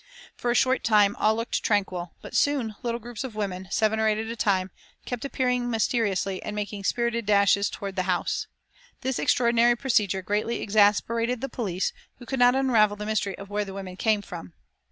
For a short time all looked tranquil, but soon little groups of women, seven or eight at a time, kept appearing mysteriously and making spirited dashes toward the House. This extraordinary procedure greatly exasperated the police, who could not unravel the mystery of where the women came from.